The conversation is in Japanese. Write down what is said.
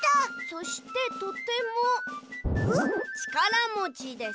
「そしてとてもちからもちです」。